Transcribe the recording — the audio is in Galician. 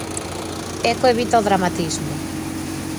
Eco evita o dramatismo.